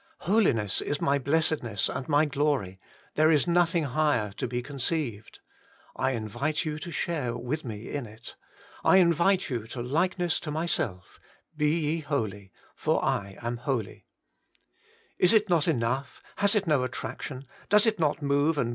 Holiness is my blessedness and my glory : there is nothing higher to be conceived; I invite you to share with me in it, I invite you to likeness to myself :' Be ye holy, for I am holy/ Is it not enough, has it no attraction, does it not move and 14 HOLY IN CHRIST.